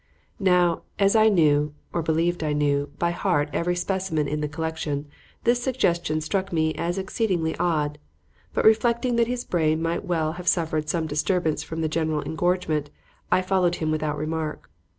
Now, as I knew (or believed I knew) by heart every specimen in the collection, this suggestion struck me as exceedingly odd; but reflecting that his brain might well have suffered some disturbance from the general engorgement, I followed him without remark.